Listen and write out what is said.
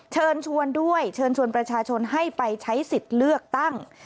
เชิญชวนด้วยเชิญชวนประชาชนให้ไปใช้สิทธิ์เลือกตั้ง